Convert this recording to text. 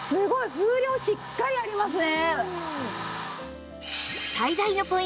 風量しっかりありますね。